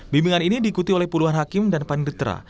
bimbingan ini diikuti oleh puluhan hakim dan pandetra